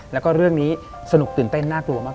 แล้วก็เรื่องนี้สนุกตื่นเต้นน่ากลัวมาก